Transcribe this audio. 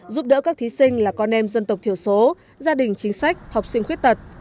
giúp đỡ các thí sinh là con em dân tộc thiểu số gia đình chính sách học sinh khuyết tật